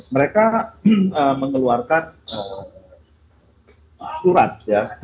mereka mengeluarkan surat ya